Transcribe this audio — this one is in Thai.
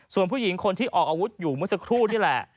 ส่วนผู้หญิงคนที่ออกอาวุธอยู่เมื่อสักครู่นี่แหละ